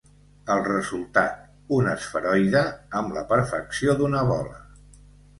El resultat: un esferoide amb la perfecció d'una bola.